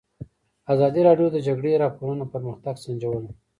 ازادي راډیو د د جګړې راپورونه پرمختګ سنجولی.